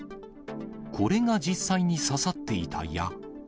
これが実際に刺さっていた矢。